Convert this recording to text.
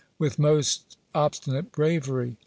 "With most obstinate bravery.